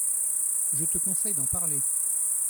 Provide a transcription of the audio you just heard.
Je te conseille d’en parler…